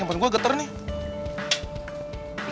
tempen gue getar nih